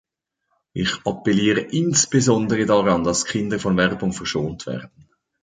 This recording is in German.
Ich appelliere insbesondere daran, dass Kinder von Werbung verschont werden.